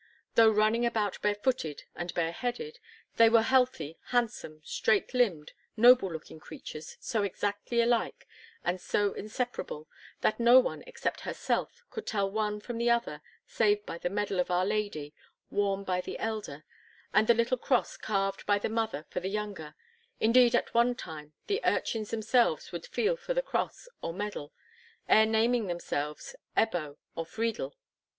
Though running about barefooted and bareheaded, they were healthy, handsome, straight limbed, noble looking creatures, so exactly alike, and so inseparable, that no one except herself could tell one from the other save by the medal of Our Lady worn by the elder, and the little cross carved by the mother for the younger; indeed, at one time, the urchins themselves would feel for cross or medal, ere naming themselves "Ebbo," or "Friedel."